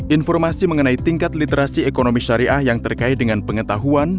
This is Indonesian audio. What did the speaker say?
informasi mengenai tingkat literasi ekonomi syariah yang terkait dengan pengetahuan